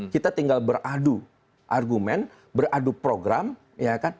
kita tinggal beradu argumen beradu program ya kan